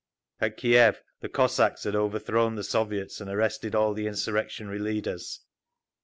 At Kiev the Cossacks had overthrown the Soviets and arrested all the insurrectionary leaders.